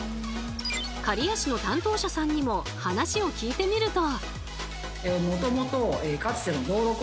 刈谷市の担当者さんにも話を聞いてみると。